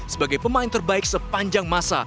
sebagai pemain terbaik sepanjang masa